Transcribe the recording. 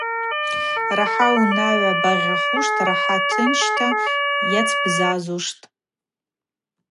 Рахӏа йунагӏва багъьахуштӏ, рахӏа тынчта йацбзазуштӏ.